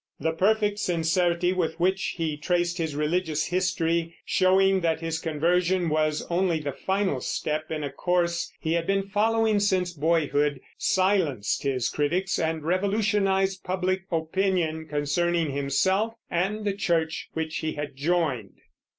The perfect sincerity with which he traced his religious history, showing that his conversion was only the final step in a course he had been following since boyhood, silenced his critics and revolutionized public opinion concerning himself and the church which he had joined.